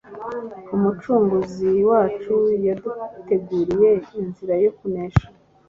Umucunguzi wacu yaduteguriye inzira yo kunesha